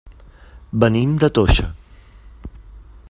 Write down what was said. Venim de Toixa.